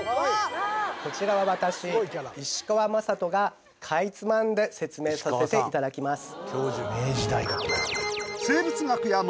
こちらは私石川幹人がかいつまんで説明させていただきます